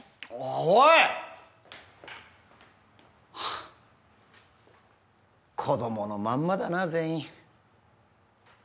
あ子供のまんまだな全員。